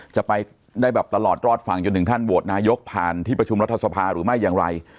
จะไปได้แบบตลอดรอดฝั่งจนถึงขั้นโหวตนายกผ่านที่ประชุมรัฐสภาหรือไม่อย่างไร